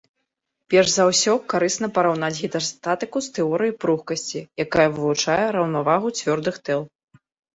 Перш за ўсё, карысна параўнаць гідрастатыку з тэорыяй пругкасці, якая вывучае раўнавагу цвёрдых тэл.